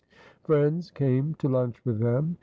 Friends came to lunch with them.